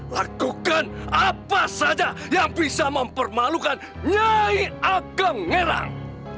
lakukan apa saja yang bisa mempermalukan nyai ageng ngerang